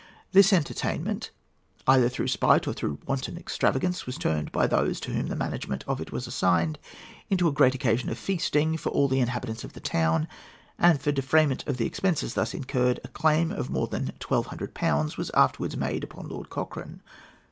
[A] This entertainment, either through spite or through wanton extravagance, was turned by those to whom the management of it was assigned into a great occasion of feasting for all the inhabitants of the town; and for defrayment of the expenses thus incurred a claim for more than 1200£ was afterwards made upon Lord Cochrane.